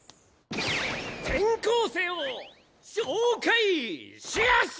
転校生を紹介しやす‼